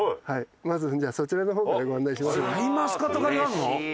まずじゃあそちらの方からご案内します。